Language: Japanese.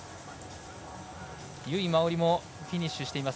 由井真緒里もフィニッシュしています。